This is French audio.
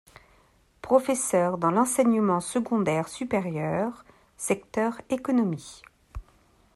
Professeur dans l'enseignement secondaire supérieur, secteur économie.